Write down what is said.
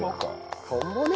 トンボね。